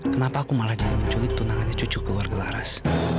kenapa aku malah jadi menculik tunangannya cucu keluar gelaras